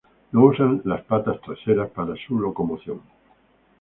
No usan sus patas traseras para su locomoción.